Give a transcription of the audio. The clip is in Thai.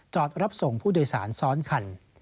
รับส่งผู้โดยสารซ้อนคัน